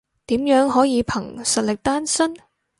點樣可以憑實力單身？